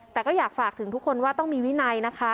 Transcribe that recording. แต่ก็อยากฝากถึงทุกคนว่าต้องมีวินัยนะคะ